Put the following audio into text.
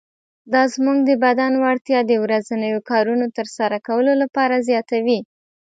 دا زموږ د بدن وړتیا د ورځنیو کارونو تر سره کولو لپاره زیاتوي.